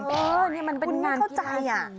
เออนี่มันเป็นงานกลางแจ้ง